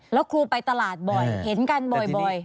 แล้วครูไปตลาดบ่อยเห็นกันบ่อย